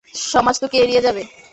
সমাজ তোকে এড়িয়ে যাবে।